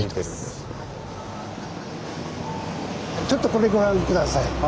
ちょっとこれご覧下さい。